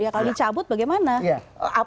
kalau dicabut bagaimana